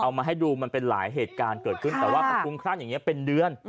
มาให้ดูมันเป็นหลายเหตุการณ์เกิดขึ้นแต่ว่ามันคุ้มครั่งอย่างนี้เป็นเดือน